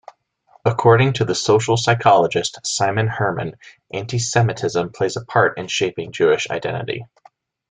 According to the social-psychologist Simon Herman, antisemitism plays a part in shaping Jewish identity.